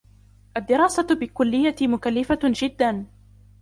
الدراسة بكليتي مكلفة جدًا.